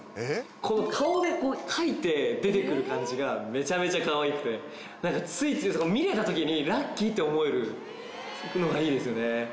この顔でかいて出てくる感じがメチャメチャかわいくて何かついつい見れた時にラッキーって思えるのがいいですよね